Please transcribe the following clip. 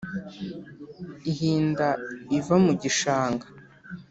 Ihinda iva mu gishanga,